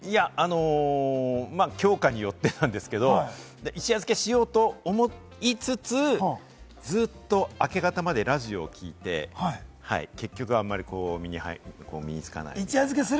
教科によってなんですけれども、一夜漬けしようと思いつつ、ずっと明け方までラジオを聞いて、結局あんまり身につかないみたいな。